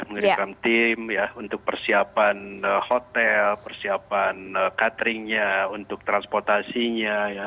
mengirimkan tim ya untuk persiapan hotel persiapan cateringnya untuk transportasinya ya